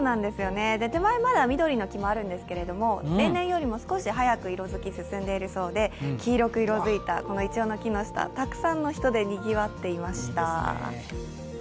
手前まだ緑の木もあるんですけど、例年より早く色づきが進んでいるそうで黄色く色づいたいちょうの木の下、たくさんの人で、にぎわっていました。